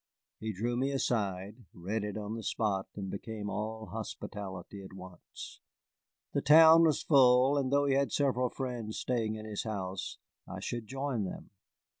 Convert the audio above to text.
He drew me aside, read it on the spot, and became all hospitality at once. The town was full, and though he had several friends staying in his house I should join them.